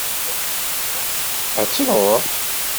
Ad d-tṛuḥ?